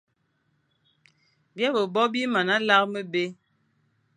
Bîe-be-bo bi mana lar mebé ;